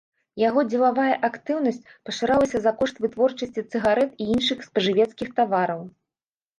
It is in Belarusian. Яго дзелавая актыўнасць пашырылася за кошт вытворчасці цыгарэт і іншых спажывецкіх тавараў.